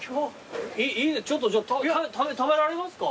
ちょっと食べられますか？